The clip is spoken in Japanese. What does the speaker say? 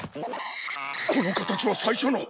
この形は最初の。